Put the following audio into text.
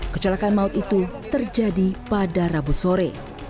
kecelakaan maut itu terjadi pada rabu sore